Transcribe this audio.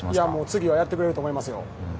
次はやってくれると思いますよ。